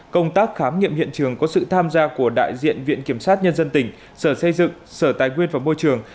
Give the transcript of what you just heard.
công tác khám nghiệm hiện trường có sự tham gia của đại diện viện kiểm sát nhân dân tỉnh sở xây dựng sở tài nguyên và môi trường